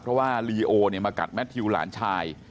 เพราะว่าเรีโอมากัดแมททิวหลานชาย